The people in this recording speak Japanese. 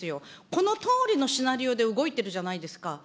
このとおりのシナリオで動いているじゃないですか。